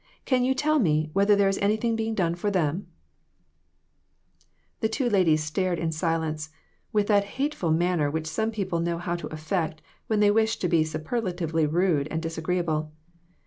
Can you tell me whether there is anything being done for them ?" The two ladies stared in silence, with that hateful manner which some people know how to affect when they wish to be superlatively rude and disagreeable.